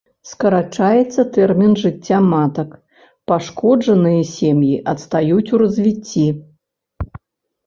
Скарачаецца тэрмін жыцця матак, пашкоджаныя сем'і адстаюць ў развіцці.